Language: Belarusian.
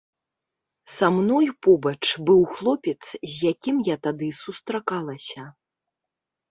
Са мной побач быў хлопец, з якім я тады сустракалася.